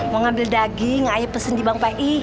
mau ngambil daging ayo pesen di bank pi